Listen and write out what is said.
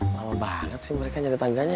lama banget sih mereka nyari tangganya